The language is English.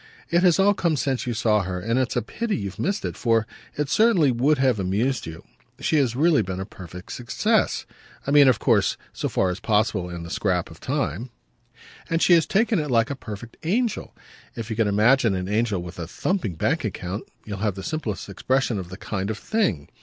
It has all come since you saw her, and it's a pity you've missed it, for it certainly would have amused you. She has really been a perfect success I mean of course so far as possible in the scrap of time and she has taken it like a perfect angel. If you can imagine an angel with a thumping bank account you'll have the simplest expression of the kind of thing.